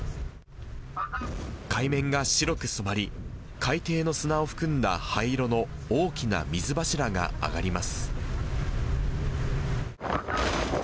海面が白く染まり、海底の砂を含んだ灰色の大きな水柱が上がります。